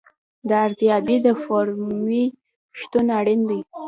د ارزیابۍ د فورمې شتون اړین دی.